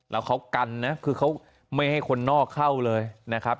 แล้วเขากันนะคือเขาไม่ให้คนนอกเข้าเลยนะครับ